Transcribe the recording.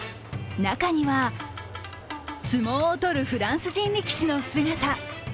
中には、相撲を取るフランス人力士の姿。